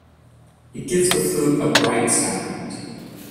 It gives the flute a bright sound.